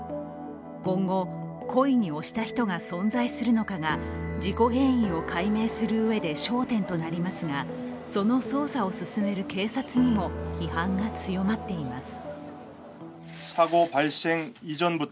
今後、故意に押した人が存在するのかが事故原因を解明するうえで焦点となりますがその捜査を進める警察にも批判が強まっています。